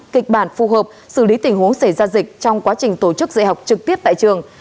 kịch bản phù hợp xử lý tình huống xảy ra dịch trong quá trình tổ chức dạy học trực tiếp tại trường